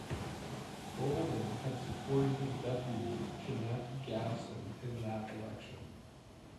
Golden had supported his Deputy Jeannette Gadson in that election.